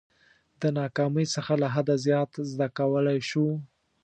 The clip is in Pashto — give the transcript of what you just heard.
د ناکامۍ څخه له حده زیات زده کولای شو.